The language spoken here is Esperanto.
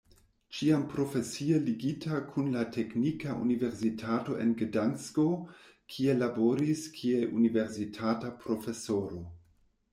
Ĉiam profesie ligita kun la Teknika Universitato en Gdansko, kie laboris kiel universitata profesoro.